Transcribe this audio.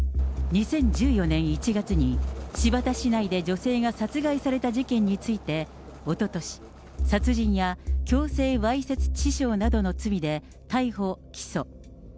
２０１４年１月に、新発田市内で女性が殺害された事件について、おととし、殺人や強制わいせつ致傷などの罪で逮捕・起訴。